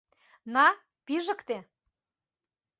На, пижыкте.